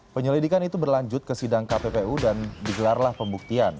penyelidikan itu berlanjut ke sidang kppu dan digelarlah pembuktian